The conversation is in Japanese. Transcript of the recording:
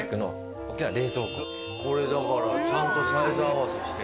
これだからちゃんとサイズ合わせしてんだ。